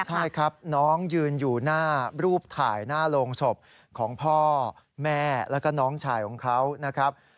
ใช่ครับน้องยืนอยู่หน้ารูปถ่ายหน้าโรงศพของพ่อแม่แล้วก็น้องชายของเขานะครับ